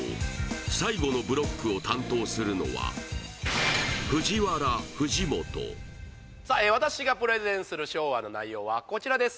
最後のブロックを担当するのは私がプレゼンする昭和の内容はこちらです